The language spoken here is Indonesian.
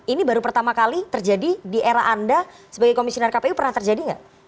ini baru pertama kali terjadi di era anda sebagai komisioner kpu pernah terjadi nggak